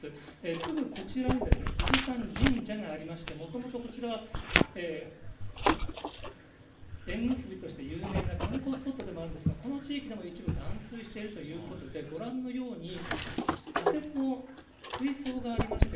すぐこちらに、伊豆山神社がありまして、もともとこちらは、縁結びとして有名な観光スポットでもあるんですが、この地域でも一部、断水しているということで、ご覧のように、仮設の水槽がありまして、